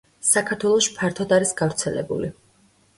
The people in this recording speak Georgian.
საქართველოში ფართოდ არიან გავრცელებული.